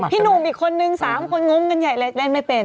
พี่หนุ่มอีกคนนึง๓คนงมกันใหญ่เลยเล่นไม่เป็น